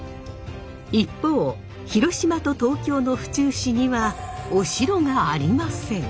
一方広島と東京の府中市にはお城がありません。